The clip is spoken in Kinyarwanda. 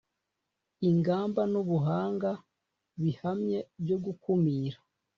ingamba n ubuhanga bihamye byo gukumira